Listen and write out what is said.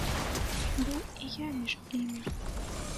Быў і я між імі.